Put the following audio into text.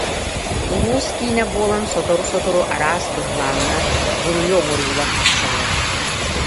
Улуус киинэ буолан сотору-сотору араас быһылааннар, буруйу оҥоруулар тахсаллара